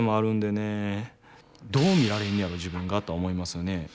どう見られんねやろ自分がとは思いますよね。